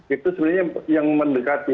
itu sebenarnya yang mendekati